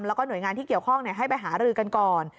แล้วก็หน่วยงานที่เกี่ยวข้องให้ไปหารือกันก่อน